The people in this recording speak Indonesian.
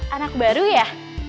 anak baru ya